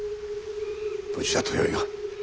無事だとよいが。